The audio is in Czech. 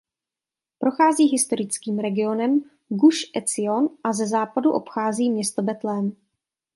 Prochází historickým regionem Guš Ecion a ze západu obchází město Betlém.